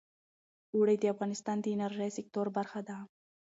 اوړي د افغانستان د انرژۍ سکتور برخه ده.